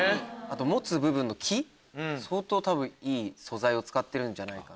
持つ部分の木相当いい素材を使ってるんじゃないかな。